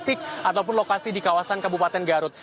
titik ataupun lokasi di kawasan kabupaten garut